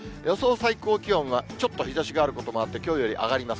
最高気温は、ちょっと日ざしがあることもあって、きょうより上がります。